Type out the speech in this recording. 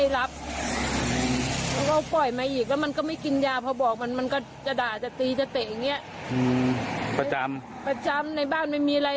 ตระหลบเค้าก็จะพื้นน่ะ